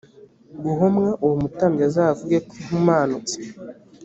guhomwa uwo mutambyi azavuge ko ihumanutse